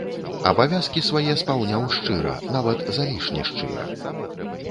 Абавязкі свае спаўняў шчыра, нават залішне шчыра.